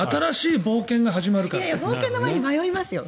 冒険の前に迷いますよ。